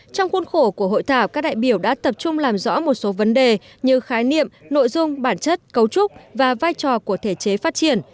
trong khuôn khổ của hội thảo các đại biểu đã tập trung làm rõ một số vấn đề như khái niệm nội dung bản chất cấu trúc và vai trò của thể chế phát triển